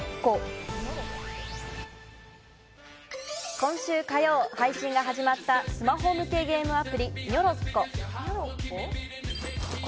今週火曜、配信が始まったスマホ向けゲームアプリ『にょろっこ』。